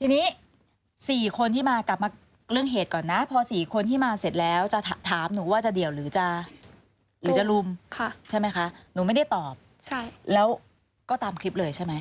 ทีนี้๔คนที่มากลับมาเรื่องเหตุก่อนนะพอ๔คนที่มาเสร็จแล้วจะถามหนูว่าจะเดี่ยวหรือจะหรือจะรุมใช่ไหมคะหนูไม่ได้ตอบแล้วก็ตามคลิปเลยใช่ไหม